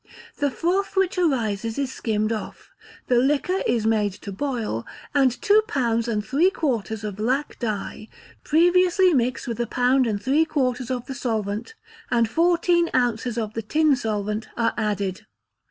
The froth which arises is skimmed off, the liquor is made to boil, and two pounds and three quarters of lac dye, previously mixed with a pound and three quarters of the solvent, and fourteen ounces of the tin solvent, are added.